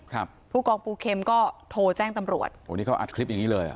ครับผู้กองปูเข็มก็โทรแจ้งตำรวจโอ้นี่เขาอัดคลิปอย่างงี้เลยอ่ะ